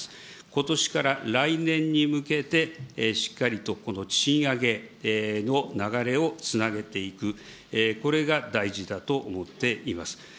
ことしから来年に向けてしっかりとこの賃上げの流れをつなげていく、これが大事だと思っています。